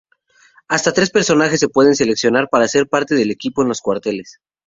Hasta tres personajes se pueden seleccionar para ser parte del equipo en los cuarteles.